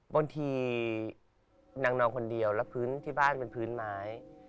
บางทีนางนอนคนเดียวแล้วพื้นที่บ้านเป็นพื้นไม้